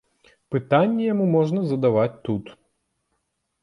Пытанні яму можна задаваць тут.